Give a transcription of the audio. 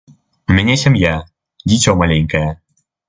У мяне сям'я, дзіцё маленькае.